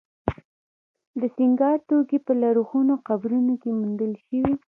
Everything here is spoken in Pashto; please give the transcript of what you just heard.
د سینګار توکي په لرغونو قبرونو کې موندل شوي